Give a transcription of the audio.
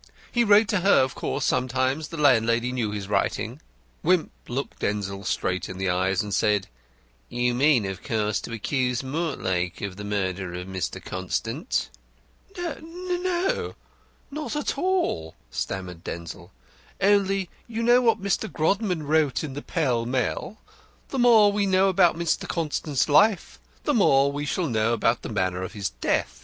He wrote to her, of course, sometimes the landlady knew his writing." Wimp looked Denzil straight in the eyes, and said, "You mean, of course, to accuse Mortlake of the murder of Mr. Constant?" "N n no, not at all," stammered Denzil, "only you know what Mr. Grodman wrote to the Pell Mell. The more we know about Mr. Constant's life the more we shall know about the manner of his death.